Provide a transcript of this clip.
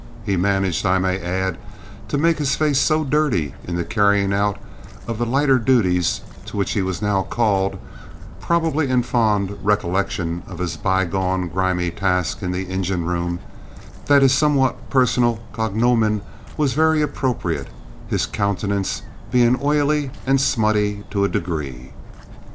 He managed, I may add, to make his face so dirty in the carrying out of the lighter duties, to which he was now called, probably in fond recollection of his byegone grimy task in the engine room, that his somewhat personal cognomen was very appropriate, his countenance being oily and smutty to a degree!